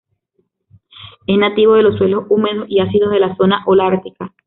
Es nativo de los suelos húmedos y ácidos de la zona holártica.